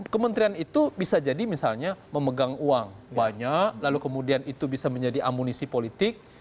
kementerian itu bisa jadi misalnya memegang uang banyak lalu kemudian itu bisa menjadi amunisi politik